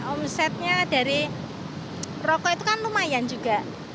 omsetnya dari rokok itu kan lumayan juga